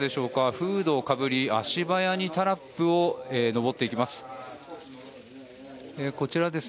フードをかぶり、足早にタラップを上っていきます。